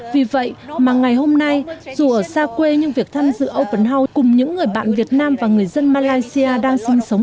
vì vậy mà ngày hôm nay dù ở xa quê nhưng việc thăm dự open house cùng những người bạn việt nam và người dân malaysia đang tập trung